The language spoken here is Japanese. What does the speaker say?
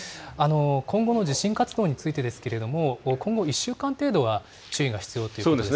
今後の地震活動についてですけれども、今後１週間程度は注意が必要ということですね。